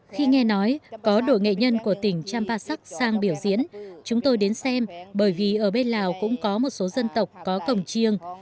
khi nghe nói có đội nghệ nhân của tỉnh champasak sang biểu diễn chúng tôi đến xem bởi vì ở bên lào cũng có một số dân tộc có cổng chiêng